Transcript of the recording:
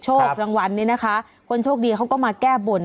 รางวัลนี้นะคะคนโชคดีเขาก็มาแก้บน